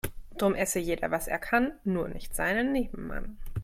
Drum esse jeder was er kann, nur nicht seinen Nebenmann.